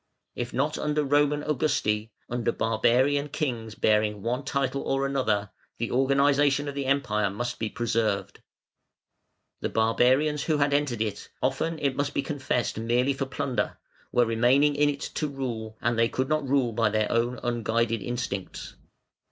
If not under Roman Augusti, under barbarian kings bearing one title or another, the organisation of the Empire must be preserved. The barbarians who had entered it, often it must be confessed merely for plunder, were remaining in it to rule, and they could not rule by their own unguided instincts.